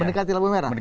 mendekati lampu merah